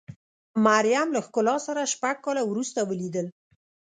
مریم له ښکلا سره شپږ کاله وروسته ولیدل.